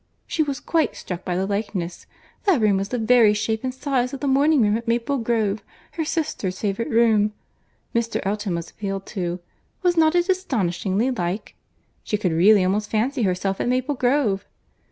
—She was quite struck by the likeness!—That room was the very shape and size of the morning room at Maple Grove; her sister's favourite room."—Mr. Elton was appealed to.—"Was not it astonishingly like?—She could really almost fancy herself at Maple Grove."